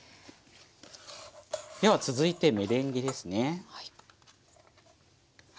では続いてメレンゲですね。